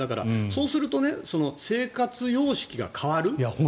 そうすると、生活様式が変わる。